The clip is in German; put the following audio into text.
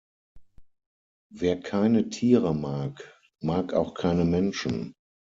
Wer keine Tiere mag, mag auch keine Menschen.